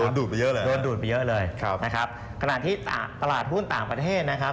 โดนดูดไปเยอะเลยครับครับนะครับขนาดที่ตลาดหุ้นต่างประเทศนะครับ